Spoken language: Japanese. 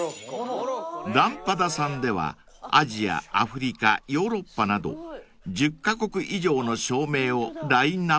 ［Ｌａｍｐａｄａさんではアジアアフリカヨーロッパなど１０カ国以上の照明をラインアップしているそうです］